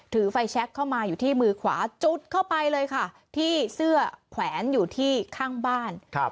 ไฟแชคเข้ามาอยู่ที่มือขวาจุดเข้าไปเลยค่ะที่เสื้อแขวนอยู่ที่ข้างบ้าน